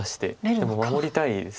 でも守りたいです。